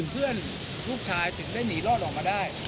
เพื่อนลูกชายถึงได้หนีรอดออกมาได้